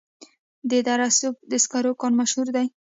د دره صوف د سکرو کان مشهور دی